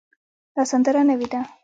دا سندره نوې ده